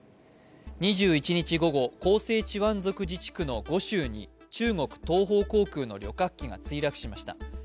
２１日午後、広西チワン族自治区の梧州に中国東方航空の旅客機が墜落しました。